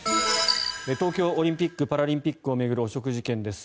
東京オリンピック・パラリンピックを巡る汚職事件です。